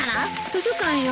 図書館よ。